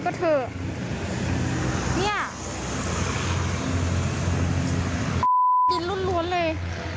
กินล้วนเลย